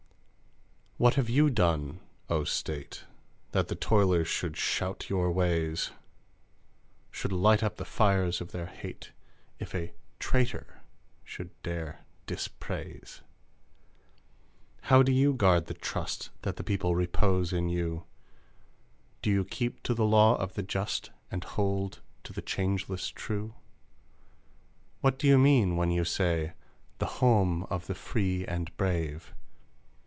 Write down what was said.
.............................. What have you done, O State, That the toilers should shout your ways? Should light up the fires of their hateIf a "traitor" should dare dispraise? How do you guard the trust That the people repose in you? Do you keep to the law of the just, And hold to the changeless true? What do you mean when you say "The home of the free and brave?"